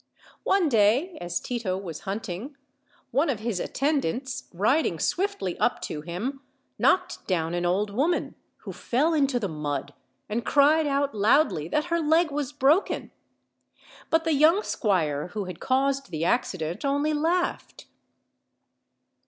_ One day, as Tito was hunting, one of his attendants, riding OLD, OLD FAIRY TALES. 97 swiftly up to him, knocked down an old woman, who fell into the mud and cried out loudly that her leg was broken; but the young squire who had caused the acci dent only laughed.